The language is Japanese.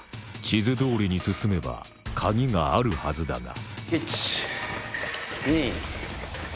地図どおりに進めばカギがあるはずだが１・２・３。